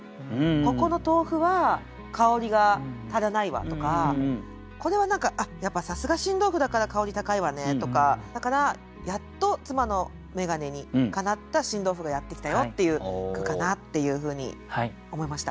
ここの豆腐は香りが足らないわとかこれは何かあっやっぱさすが新豆腐だから香り高いわねとかだから「やっと妻の眼鏡にかなった新豆腐がやって来たよ」っていう句かなっていうふうに思いました。